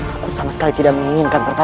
aku sama sekali tidak menginginkan pertama